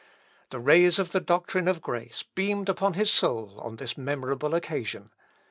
The rays of the doctrine of grace beamed upon his soul on this memorable occasion.